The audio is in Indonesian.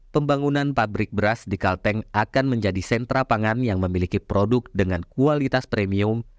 pembangunan pabrik beras di kalteng akan menjadi sentra pangan yang memiliki produk dengan kualitas premium